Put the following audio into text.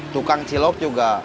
tukang cilok juga